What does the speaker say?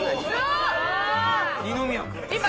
二宮君。